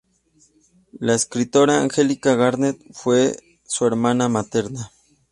La escritora Angelica Garnett fue su hermana materna.